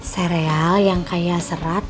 sereal yang kaya serat